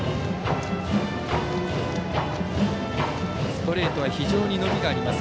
ストレートは非常に伸びがあります